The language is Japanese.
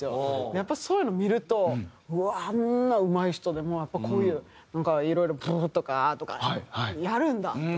やっぱそういうのを見るとうわっあんなうまい人でもやっぱこういうなんかいろいろ「ブー」とか「アー」とかやるんだっていうのが。